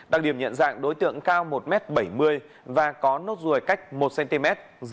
đặc điểm nhận dạng đối tượng cao một m bảy mươi và có nốt ruồi cách một cm